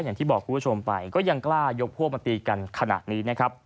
อย่างที่บอกคุณผู้ชมไปก็ยังกล้ายกพวกมาตีกันขนาดนี้นะครับ